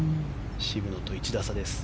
渋野と１打差です。